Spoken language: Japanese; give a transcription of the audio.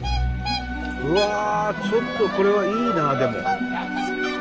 うわちょっとこれはいいなあでも。